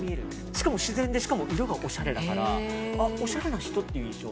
しかも自然でしかも色がおしゃれだからおしゃれな人っていう印象。